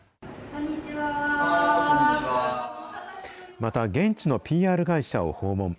また、現地のＰＲ会社を訪問。